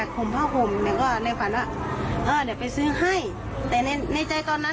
ข้าวไม่ค่อยกิน